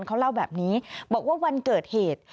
เขาเล่าแบบนี้บอกว่าวันเกิดเหตุ